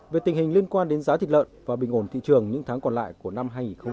về tình hình liên quan đến giá thịt lợn và bình ổn thị trường những tháng còn lại của năm hai nghìn hai mươi